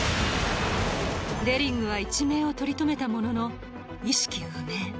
デリングは一命を取り留めたものの意識不明